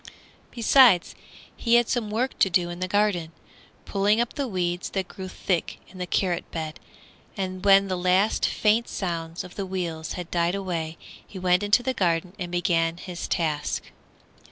Besides he had some work to do in the garden, pulling up the weeds that grew thick in the carrot bed, and when the last faint sounds of the wheels had died away he went into the garden and began his task.